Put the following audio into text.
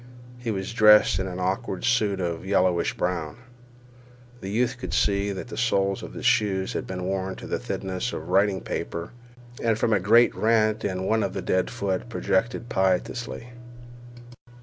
He was dressed in an awkward suit of yellowish brown. The youth could see that the soles of his shoes had been worn to the thinness of writing paper, and from a great rent in one the dead foot projected piteously.